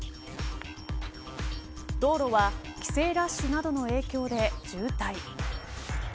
道路は帰省ラッシュなどの影響で渋滞。